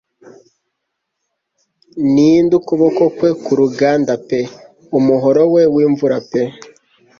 Ninde ukuboko kwe kuruganda pe umuhoro we wimvura pe